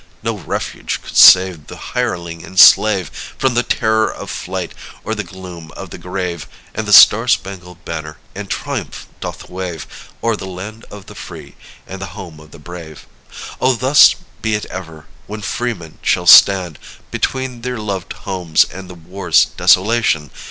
No refuge could save the hireling and slave From the terror of flight or the gloom of the grave. And the Star Spangled Banner in triumph doth wave O'er the land of the free and the home of the brave. Oh, thus be it ever! when freemen shall stand Between their loved homes and the war's desolation.